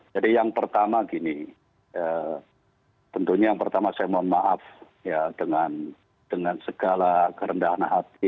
jadi yang pertama gini tentunya yang pertama saya mohon maaf dengan segala kerendahan hati